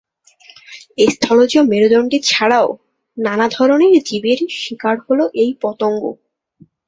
স্থলজ মেরুদণ্ডী ছাড়াও, নানান ধরনের জীবের শিকার হল এই পতঙ্গ।